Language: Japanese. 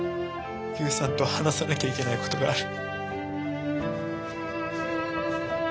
悠さんと話さなきゃいけないことがある。